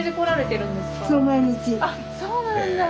あっそうなんだ！